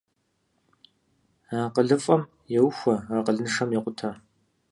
АкъылыфӀэм еухуэ, акъылыншэм екъутэ.